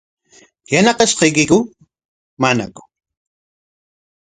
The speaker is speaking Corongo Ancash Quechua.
¿Yanaqashqaykiku manaku?